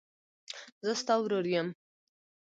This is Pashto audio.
زه ستا ورور یم.